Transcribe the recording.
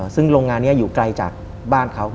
ซึ่งโรงงานนี้อยู่ไกลจากบ้านเขา